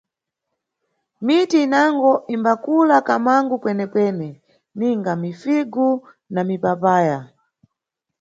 Miti inango, imbakula kamangu kwenekwene, ninga mifigu na mipapaya.